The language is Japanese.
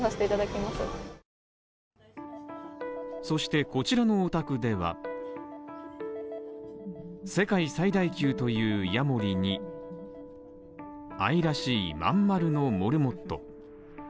そして、こちらのお宅では世界最大級というヤモリに愛らしいまん丸のモルモット。